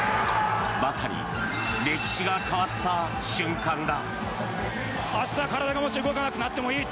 まさに歴史が変わった瞬間だ。